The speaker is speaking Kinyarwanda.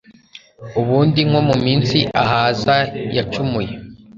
Ubundi nko muminsi Ahaz yacumuye